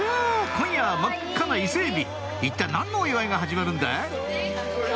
今夜は真っ赤なイセエビ一体何のお祝いが始まるんだい？